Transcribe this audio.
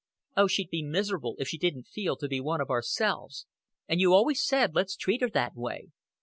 "Oh, she'd be miserable if she didn't feel to be one of ourselves and you always said let's treat her that way."